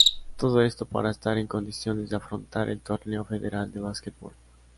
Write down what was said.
Todo esto para estar en condiciones de afrontar el Torneo Federal de Básquetbol.